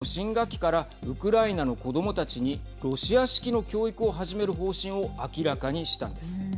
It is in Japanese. ９月の新学期からウクライナの子どもたちにロシア式の教育を始める方針を明らかにしたんです。